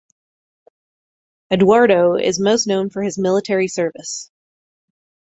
Eduardo is most known for his military service.